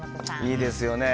いいですよね。